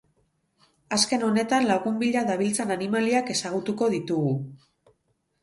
Azken honetan lagun bila dabiltzan animaliak ezagutuko ditugu.